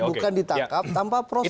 bukan ditangkap tanpa proses